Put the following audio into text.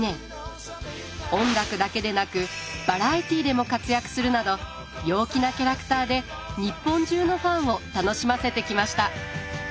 音楽だけでなくバラエティでも活躍するなど陽気なキャラクターで日本中のファンを楽しませてきました。